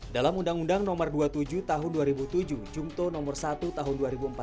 dalam undang undang nomor dua puluh tujuh tahun dua ribu tujuh jungto nomor satu tahun dua ribu empat belas